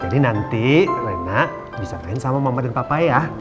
jadi nanti reina bisa main sama mama dan papa ya